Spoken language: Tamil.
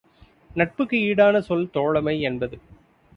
நட்புக்கு ஈடான சொல் தோழமை என்பது.